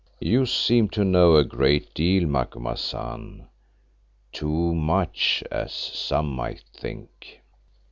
"You seem to know a great deal, Macumazahn; too much as some might think."